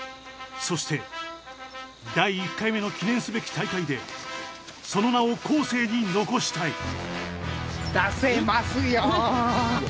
そして第１回目の記念すべき大会でその名を後世に残したい。